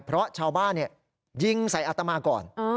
เพราะชาวบ้านยิงใส่อัตมาก่อน